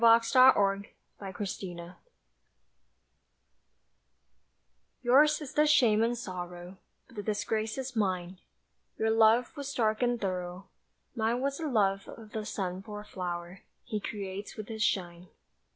LAST WORDS TO MIRIAM YOURS is the shame and sorrow But the disgrace is mine; Your love was dark and thorough, Mine was the love of the sun for a flower He creates with his shine.